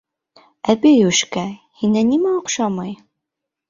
Әбейүшкә, һиңә нимә оҡшамай?